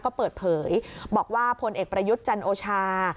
ก็เปิดเผยบอกว่าพลเอกประยุทธ์จันโอชา